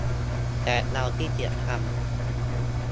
แต่เราขี้เกียจทำ